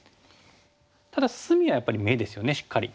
ただ隅はやっぱり眼ですよねしっかり。